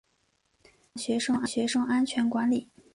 加强学生安全管理